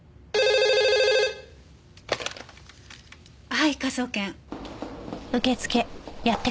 はい科捜研。